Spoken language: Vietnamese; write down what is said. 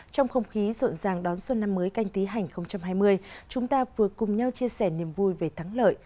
trong không khí rộn ràng đón xuân năm mới canh tí hành hai mươi chúng ta vừa cùng nhau chia sẻ niềm vui về thắng lợi